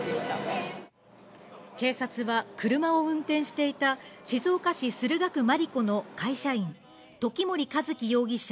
警察は車を運転していた、静岡市駿河区丸子の会社員、時森一輝容疑者